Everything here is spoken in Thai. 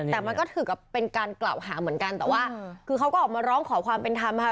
แต่มันก็ถือกับเป็นการกล่าวหาเหมือนกันแต่ว่าคือเขาก็ออกมาร้องขอความเป็นธรรมนะคะ